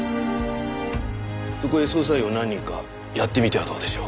そこへ捜査員を何人かやってみてはどうでしょう？